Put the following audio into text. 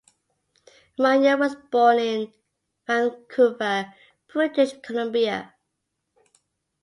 Runyan was born in Vancouver, British Columbia.